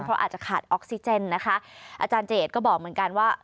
เพราะอาจจะขาดออกซิเจนนะคะอาจารย์เจดก็บอกเหมือนกันว่า